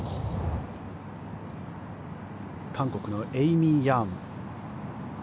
韓国のエイミー・ヤン。